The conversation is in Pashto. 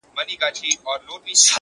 گلي هر وخت مي پر زړگي را اوري.!